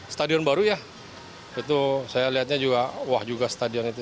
stadion baru ya itu saya lihatnya juga wah juga stadion itu